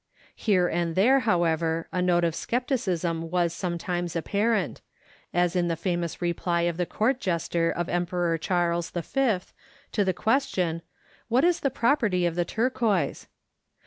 Here and there, however, a note of scepticism was sometimes apparent, as in the famous reply of the court jester of Emperor Charles V, to the question, "What is the property of the turquoise?"